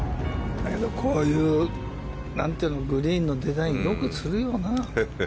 だけど、こういうグリーンのデザインよくするよな。